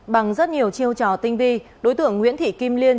bằng rất nhiều chiêu trò tinh vi đối tượng nguyễn thị kim liên